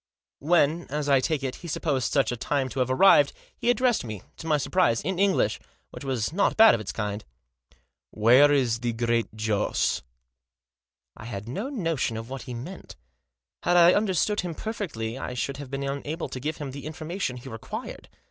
When, as I take it, he supposed such a time to have arrived, he addressed me, to my surprise, in English, which was not bad of its kind. " Where is the Great Joss ?" I had no notion what he meant. Had I under stood him perfectly I should have been unable to give him the information he required.